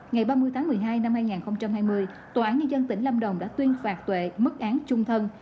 ngày ba mươi tháng một mươi hai năm hai nghìn hai mươi tòa án nhân dân tỉnh lâm đồng đã tuyên phạt tuệ mức án trung thân